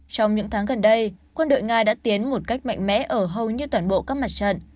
trong những tháng gần đây quân đội nga đã tiến một cách mạnh mẽ ở hầu như toàn bộ các mặt trận